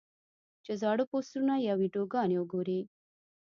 چې زاړۀ پوسټونه يا ويډيوګانې اوګوري -